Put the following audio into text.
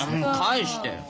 返してよ。